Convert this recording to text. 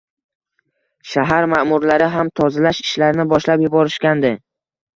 Shahar ma’murlari ham tozalash ishlarini boshlab yuborishgandi.